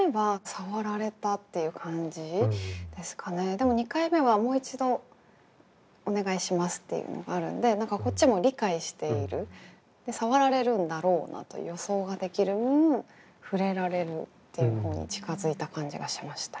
でも２回目は「もう一度お願いします」っていうのがあるんで何かこっちも理解しているでさわられるんだろうなと予想ができる分ふれられるっていう方に近づいた感じがしましたよ。